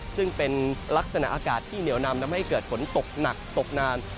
ซึ่งเป็นลักษณะอากาศที่เหนียวนำทำให้เกิดฝนตกหนักตกนาน